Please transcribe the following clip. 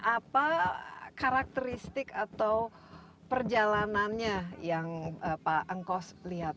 apa karakteristik atau perjalanannya yang pak angkos lihat